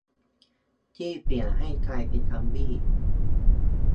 ที่เปลี่ยนให้กลายเป็นซอมบี้